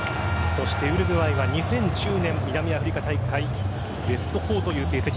ウルグアイは２０１０年南アフリカ大会ベスト４という成績。